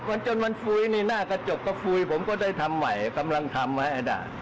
มันจนมันฟุ้ยในหน้ากระจกก็ฟุ้ยผมก็ได้ทำใหม่กำลังทำไว้อันอ่ะ